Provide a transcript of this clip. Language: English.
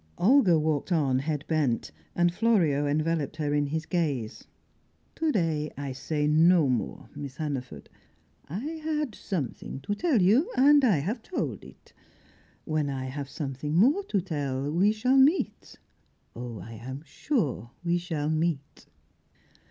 Olga walked on, head bent, and Florio enveloped her in his gaze. "To day I say no more, Miss Hannaford. I had something to tell you, and I have told it. When I have something more to tell we shall meet oh, I am sure we shall meet."